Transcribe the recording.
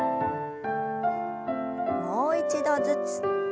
もう一度ずつ。